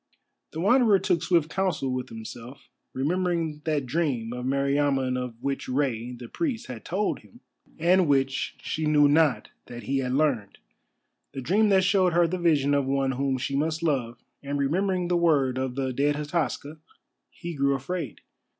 The Wanderer took swift counsel with himself. Remembering that dream of Meriamun of which Rei the Priest had told him, and which she knew not that he had learned, the dream that showed her the vision of one whom she must love, and remembering the word of the dead Hataska, he grew afraid.